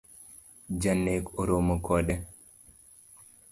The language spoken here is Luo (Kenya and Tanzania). Janek oromo kode